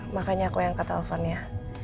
makanya aku yang angkat teleponnya